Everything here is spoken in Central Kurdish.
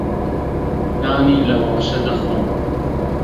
نانی لەواشە دەخۆم.